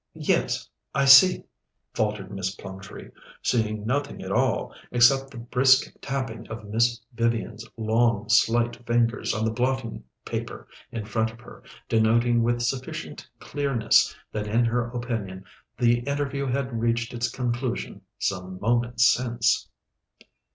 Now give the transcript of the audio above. Yes, I see," faltered Miss Plumtree, seeing nothing at all except the brisk tapping of Miss Vivian's long, slight fingers on the blotting paper in front of her, denoting with sufficient clearness that in her opinion the interview had reached its conclusion some moments since.